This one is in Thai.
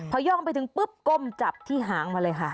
พอย่องไปถึงปุ๊บก้มจับที่หางมาเลยค่ะ